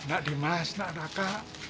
nak dimas nak raka